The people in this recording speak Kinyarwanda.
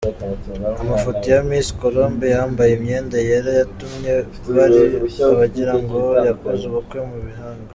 Amafoto ya Miss Colombe yambaye imyenda yera yatumye hari abagirango yakoze ubukwe mu ibanga.